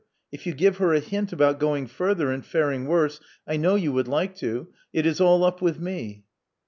If you give her a hint about going further and faring worse — I know you would like to — it is all up with me.